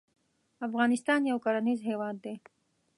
افغانستان یو کرنیز هیواد دی